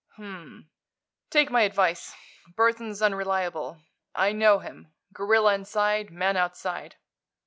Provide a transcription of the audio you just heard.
"H m m. Take my advice. Burthon's unreliable. I know him. Gorilla inside, man outside.